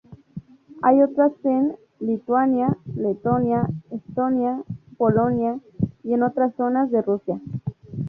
Hay otras en Lituania, Letonia, Estonia, Polonia y en otras zonas de Rusia.